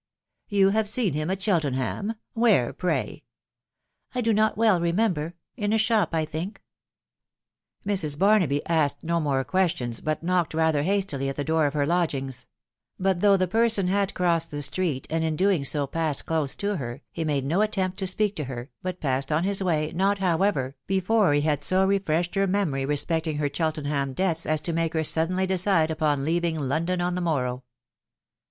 i€ You have seen him at Cheltenham ?.... Where, pray ?"" I do not well remember ; in a shop, I think." Mrs. Barnaby asked no more questions, but knocked rather hastily at the door of her lodgings ; but though the person had crossed the street, and in doing so passed close to her, he made no attempt to speak to her, but passed on his way, not, however, before he had so refreshed her memory respecting her Cheltenham debts as to make her suddenly decide upon leaving London on the morrow.